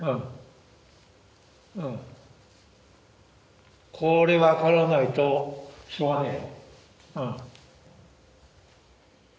うんうんこれ分からないとしょうがねえよ